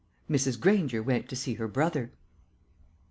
"Mrs. Granger went to see her brother."